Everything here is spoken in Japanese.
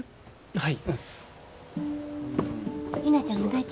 はい。